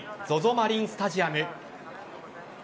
マリンスタジアム。